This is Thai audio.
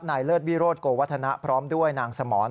เลิศวิโรธโกวัฒนะพร้อมด้วยนางสมร